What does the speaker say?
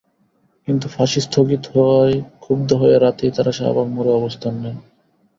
কিন্তু ফাঁসি স্থগিত হওয়ায় ক্ষুব্ধ হয়ে রাতেই তাঁরা শাহবাগ মোড়ে অবস্থান নেন।